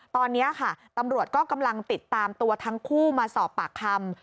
ตอนนี้ค่ะตำรวจก็กำลังติดตามตัวทั้งคู่มาสอบปากคำ